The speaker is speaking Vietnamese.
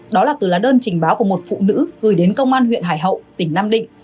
đó là từ là đơn trình báo của một phụ nữ gửi đến công an huyện hải hậu tỉnh nam định